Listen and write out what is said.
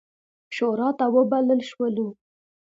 شوراته وبلل شولو.